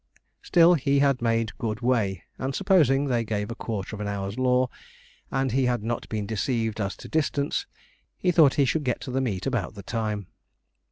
Still he had made good way; and supposing they gave a quarter of an hour's law, and he had not been deceived as to distance, he thought he should get to the meet about the time.